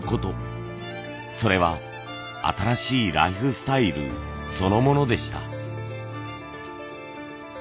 それは新しいライフスタイルそのものでした。